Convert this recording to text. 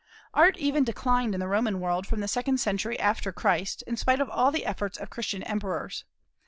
Art even declined in the Roman world from the second century after Christ, in spite of all the efforts of Christian emperors.